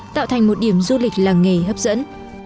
tạo thành một điểm du lịch làng nghề hấp dẫn